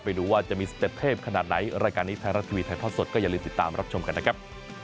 ไม่รู้ว่าจะมีสเต็ปเทพขนาดไหนรายการนี้ไทยรัฐทีวีถ่ายทอดสดก็อย่าลืมติดตามรับชมกันนะครับ